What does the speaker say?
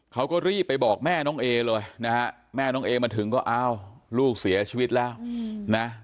เขาก็รีบไปบอกแม่น้องเอเลยนะฮะแม่น้องเอมาถึงก็อ้าวลูกเสียชีวิตแล้วนะ